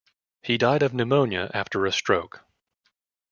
He died of pneumonia, after a stroke.